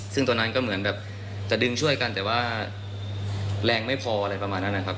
ซึ่งตอนนั้นก็เหมือนแบบจะดึงช่วยกันแต่ว่าแรงไม่พออะไรประมาณนั้นนะครับ